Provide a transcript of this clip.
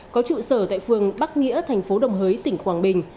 có trụ sở tại phường bắc nghĩa thành phố đồng hới tỉnh quảng bình